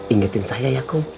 ingetin saya ya kum